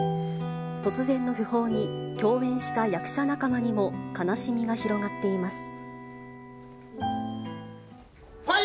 突然の訃報に、共演した役者仲間にも悲しみが広がっています。